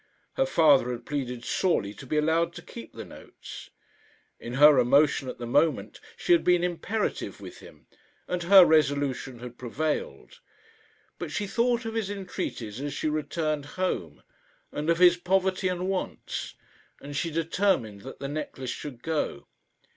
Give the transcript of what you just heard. Her father had pleaded sorely to be allowed to keep the notes. In her emotion at the moment she had been imperative with him, and her resolution had prevailed. But she thought of his entreaties as she returned home, and of his poverty and wants, and she determined that the necklace should go.